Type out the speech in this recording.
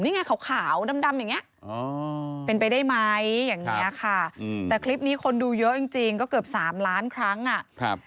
นี่ไงขาวดำอย่างนี้เป็นไปได้ไหมอย่างนี้ค่ะแต่คลิปนี้คนดูเยอะจริงจริงก็เกือบสามล้านครั้งอ่ะครับ